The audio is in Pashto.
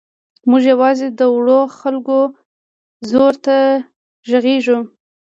موږ یوازې د وړو خلکو ځور ته غږېږو.